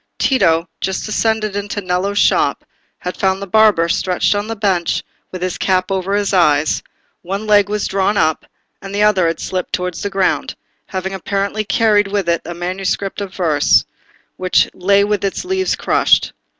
Tito, just descended into Nello's shop, had found the barber stretched on the bench with his cap over his eyes; one leg was drawn up, and the other had slipped towards the ground, having apparently carried with it a manuscript volume of verse, which lay with its leaves crushed.